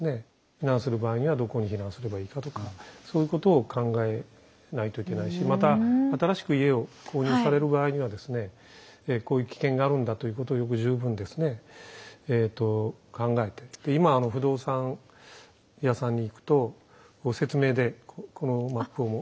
避難する場合にはどこに避難すればいいかとかそういうことを考えないといけないしまた新しく家を購入される場合にはですねこういう危険があるんだということをよく十分ですね考えて今不動産屋さんに行くと説明でこのマップも。